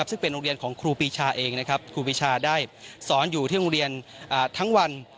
ซึ่งเป็นโรงเรียนของครูปีชาเองนะครับครูปีชาได้สอนอยู่ที่โรงเรียนทั้งวัน